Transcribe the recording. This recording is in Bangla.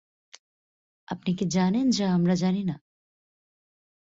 আপনি কি জানেন যা আমরা জানি না?